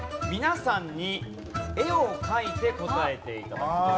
皆さんに絵を描いて答えて頂く。